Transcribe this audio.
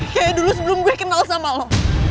kayak dulu sebelum gue kenal sama lo